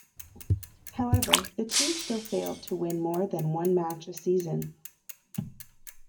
However, the team still failed to win more than one match a season.